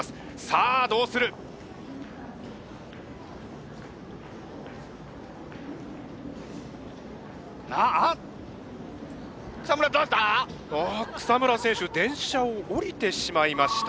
あっ草村選手電車を降りてしまいました。